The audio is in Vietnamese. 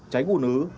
tránh ủ nứ